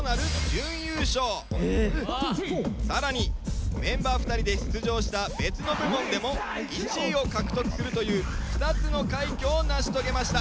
更にメンバー２人で出場した別の部門でも１位を獲得するという２つの快挙を成し遂げました。